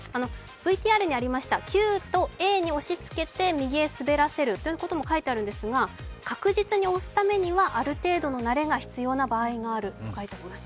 ＶＴＲにありました「Ｑ」と「Ａ」に押しつけて右へ滑らせるということも書いてあるんですが、確実に押すためにはある程度の慣れが必要な場合があると書いてあります。